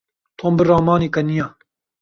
Tom bi ramanê keniya.